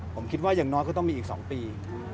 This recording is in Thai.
ผมคิดว่าอย่างน้อยก็ต้องมีอีก๒ปี